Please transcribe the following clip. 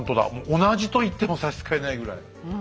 同じと言っても差し支えないぐらい。